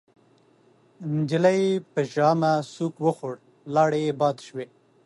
نجلۍ پر ژامه سوک وخوړ، لاړې يې باد شوې.